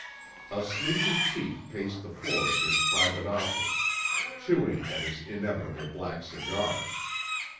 A sleepy chief paced the floor of his private office, chewing at his inevitable black cigar.